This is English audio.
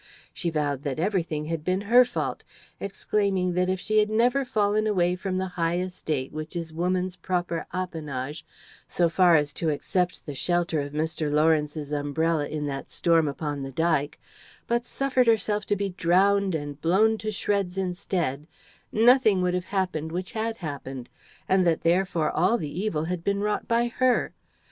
She vowed that everything had been her fault, exclaiming that if she had never fallen away from the high estate which is woman's proper appanage, so far as to accept of the shelter of Mr. Lawrence's umbrella in that storm upon the Dyke, but suffered herself to be drowned and blown to shreds instead, nothing would have happened which had happened; and that, therefore, all the evil had been wrought by her.